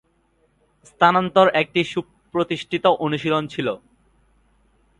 স্থানান্তর একটি সুপ্রতিষ্ঠিত অনুশীলন ছিল।